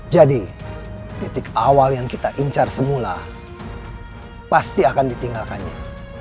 titik awal yang kita incar semula pasti akan ditinggalkannya